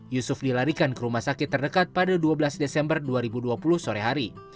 yusuf dilarikan ke rumah sakit terdekat pada dua belas desember dua ribu dua puluh sore hari